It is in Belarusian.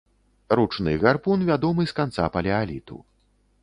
Ручны гарпун вядомы з канца палеаліту.